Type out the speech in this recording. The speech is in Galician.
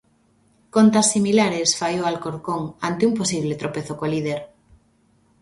Contas similares fai o Alcorcón ante un posible tropezo co líder.